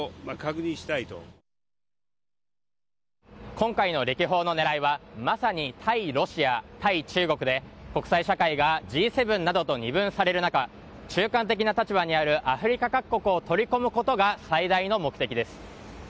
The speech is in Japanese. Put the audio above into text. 今回の歴訪の狙いはまさに対ロシア、対中国で国際社会がＧ７などと二分される中中間的な立場にあるアフリカ各国を取り込むことが最大の目的です。